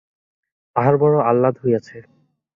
তাহার বড়ো আহ্লাদ হইয়াছে।